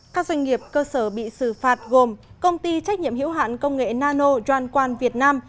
các doanh nghiệp cơ sở bị sự phạt gồm công ty trách nhiệm hiểu hạn công nghệ nano doan quan việt nam